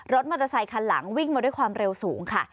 มอเตอร์ไซคันหลังวิ่งมาด้วยความเร็วสูงค่ะ